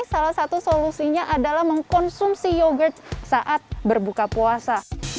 salah satu solusinya adalah mengkonsumsi yogurt saat berbuka puasa